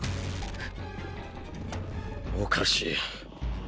おかしい。